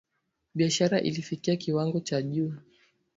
Biashara ilifikia kiwango cha juu